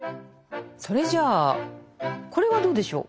それじゃあこれはどうでしょう。